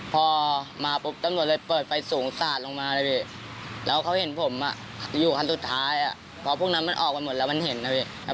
พอมาปุ๊บตำรวจเลยเปิดไฟสูงสาดลงมาเลยพี่แล้วเขาเห็นผมอยู่คันสุดท้ายพอพวกนั้นมันออกมาหมดแล้วมันเห็นนะพี่